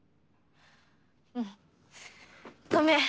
うんごめん。